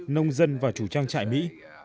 nông dân và chủ trang trại mỹ